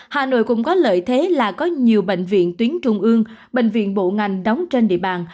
hà nội cũng có lợi thế là có nhiều bệnh viện tuyến trung ương bệnh viện bộ ngành đóng trên địa bàn